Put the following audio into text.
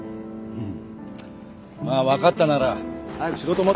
うん。